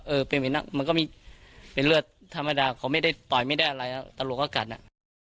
เออเป็นเหมือนมันก็มีเป็นเลือดธรรมดาเขาไม่ได้ต่อยไม่ได้อะไรตลวดก็กัดน่ะ